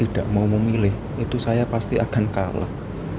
dia pasti akan kalah